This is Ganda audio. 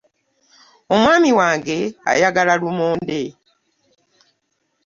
.Omwami wange ayagala lumondde.